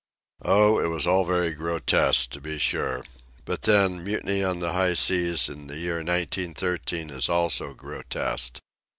Oh, it was all very grotesque, to be sure. But then, mutiny on the high seas in the year nineteen thirteen is also grotesque.